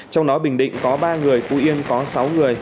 trong đó bình định có ba người phú yên có sáu người